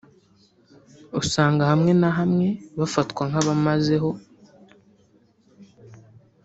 usanga hamwe na hamwe bafatwa nk’abamazeho